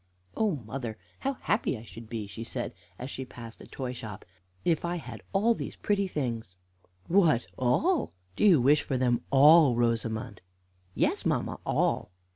"Oh, mother, how happy I should be," she said, as she passed a toy shop, "if I had all these pretty things!" "What, all! Do you wish for them all, Rosamond?" "Yes, mamma, all."